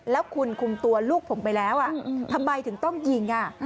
แล้วคุณคุมตัวลูกผมไปแล้วทำไมถึงต้องยิง